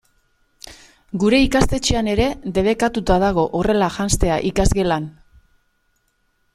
Gure ikastetxean ere debekatuta dago horrela janztea ikasgelan.